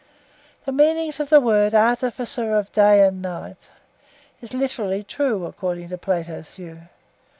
(5) The meaning of the words 'artificer of day and night' is literally true according to Plato's view.